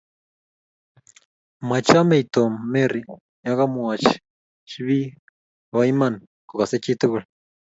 machamei Tom Mary yo kamwoch be bo Iman kokasei chitugul